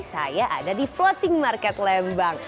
saya ada di floating market lembang